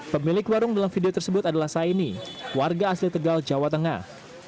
pemilik warung dalam video tersebut adalah saini warga asli tegal jawa tengah